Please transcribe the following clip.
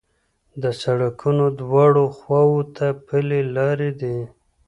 د سړکونو دواړو خواوو ته پلي لارې دي.